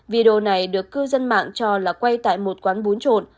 video này được cư dân mạng cho là quay tại một quán bún trộn